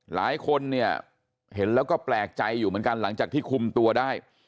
หลายคนเนี่ยเห็นแล้วก็แปลกใจอยู่เหมือนกันหลังจากที่คุมตัวได้